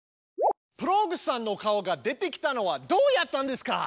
プログさんの顔が出てきたのはどうやったんですか？